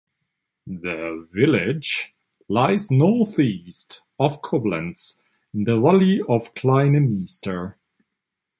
The village lies northeast of Koblenz in the valley of the Kleine Nister.